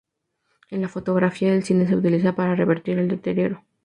En la fotografía y el cine, se utiliza para revertir el deterioro.